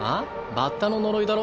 バッタの呪いだろ？